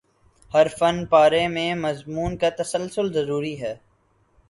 ہر فن پارے میں مضمون کا تسلسل ضروری ہے